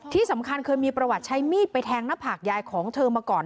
ที่สำคัญเคยมีประวัติใช้มีดไปแทงหน้าผากยายของเธอมาก่อน